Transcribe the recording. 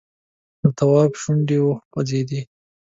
د تواب شونډې وخوځېدې!